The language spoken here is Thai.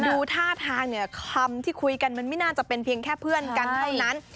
ดูท่าทางเนี่ยคำที่คุยกันมันไม่น่าจะเป็นเพียงแค่เพื่อนกันเท่านั้น